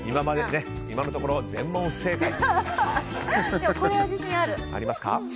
今のところ全問不正解ですが。